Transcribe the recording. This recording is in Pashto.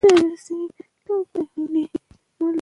سندرې او موسیقي د ذهني آرامۍ سبب دي.